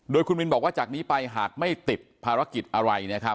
โดยคุณวินบอกว่าจากนี้ไปหากไม่ติดภารกิจอะไรนะครับ